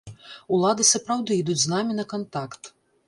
Улады сапраўды ідуць з намі на кантакт.